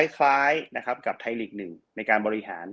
คล้ายกับไทยหลีก๑ในการบริหาร